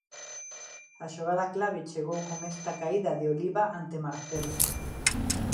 A xogada clave chegou con esta caída de Oliva ante Marcelo.